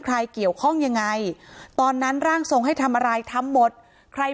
ใครเกี่ยวข้องยังไงตอนนั้นร่างทรงให้ทำอะไรทำหมดใคร